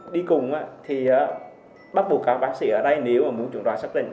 đi cùng thì bắt buộc các bác sĩ ở đây nếu muốn chuẩn đoán xét nghiệm